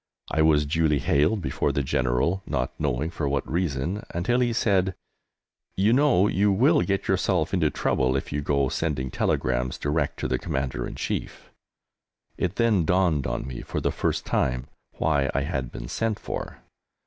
I was duly haled before the General, not knowing for what reason, until he said, "You know you will get yourself into trouble if you go sending telegrams direct to the Commander in Chief." It then dawned on me for the first time why I had been sent for.